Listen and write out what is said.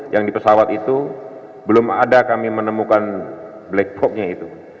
yang di pesawat itu belum ada kami menemukan black boxnya itu